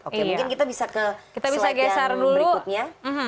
oke mungkin kita bisa ke slide berikutnya